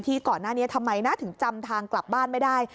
ก่อนหน้านี้ทำไมนะถึงจำทางกลับบ้านไม่ได้